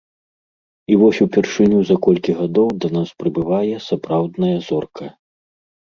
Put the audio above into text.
І вось упершыню за колькі гадоў да нас прыбывае сапраўдная зорка.